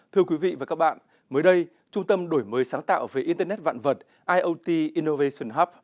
thưa quý vị và các bạn mới đây trung tâm đổi mới sáng tạo về internet vạn vật iot innovation hub